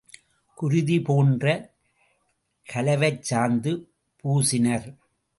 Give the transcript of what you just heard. குருதி போன்ற கலவைச்சாந்து பூசினர்.